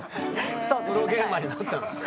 プロゲーマーになったんですか？